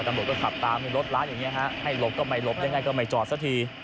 ตำรวจก็ขับตามรถร้านอย่างนี้ฮะให้หลบก็ไม่หลบยังไงก็ไม่จอดสักที